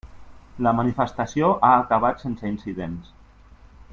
La manifestació ha acabat sense incidents.